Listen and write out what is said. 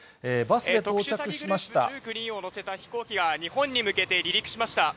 特殊詐欺グループ１９人を乗せた飛行機が、日本に向けて離陸しました。